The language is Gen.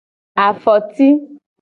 Afoti.